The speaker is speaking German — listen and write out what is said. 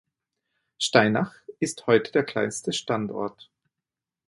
Steinach ist heute der kleinste Standort.